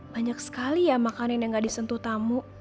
banyak sekali ya makanan yang gak disentuh tamu